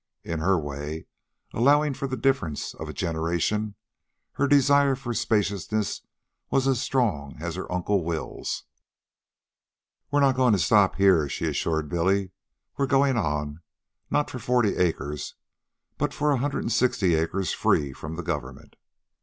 In her way, allowing for the difference of a generation, her desire for spaciousness was as strong as her Uncle Will's. "Well, we're not going to stop here," she assured Billy. "We're going in, not for forty acres, but for a hundred and sixty acres free from the government."